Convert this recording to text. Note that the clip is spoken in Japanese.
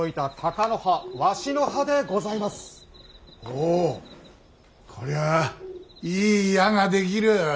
おおこりゃあいい矢が出来る。